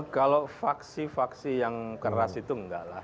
kalau faksi faksi yang keras itu enggak lah